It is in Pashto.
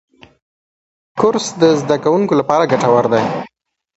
کورس د زدهکوونکو لپاره ګټور دی.